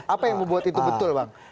apa yang membuat itu betul bang